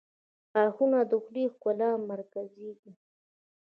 • غاښونه د خولې د ښکلا مرکز دي.